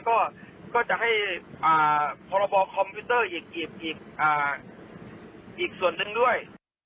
ก็จะให้พรบคอมพิวเตอร์อีกส่วนหนึ่งด้วย